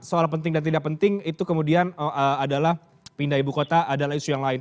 soal penting dan tidak penting itu kemudian adalah pindah ibu kota adalah isu yang lain